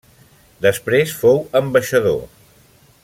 Després fou ambaixador.